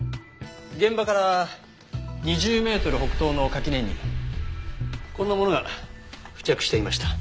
現場から２０メートル北東の垣根にこんなものが付着していました。